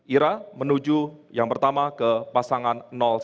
ira menuju yang pertama ke pasangan satu